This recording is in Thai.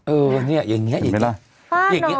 เอออย่างเนี่ยอย่างเงี้ยคุณเห็นมั้ยร่ะฟาดเนี้ย